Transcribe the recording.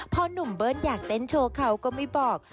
พอหนุ่มเบิ้ลอยากเต้นโชว์เขาก็ไม่บอก